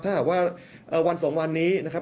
ถ้าหากว่าวัน๒วันนี้นะครับ